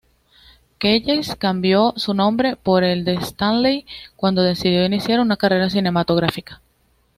Keyes cambió su nombre por el de Stanley cuando decidió iniciar una carrera cinematográfica.